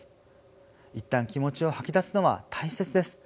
一旦気持ちを吐き出すのは大切です。